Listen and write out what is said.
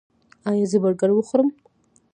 ایا زه برګر وخورم؟